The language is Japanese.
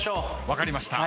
分かりました。